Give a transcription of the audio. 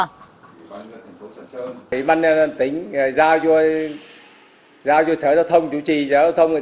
ủy ban nhân dân tính giao cho sở thông chủ trì sở thông